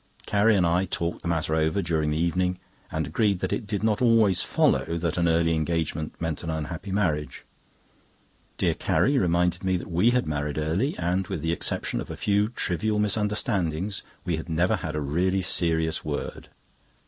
Carrie and I talked the matter over during the evening, and agreed that it did not always follow that an early engagement meant an unhappy marriage. Dear Carrie reminded me that we married early, and, with the exception of a few trivial misunderstandings, we had never had a really serious word.